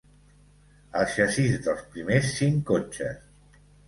El xassís dels primers cinc cotxes.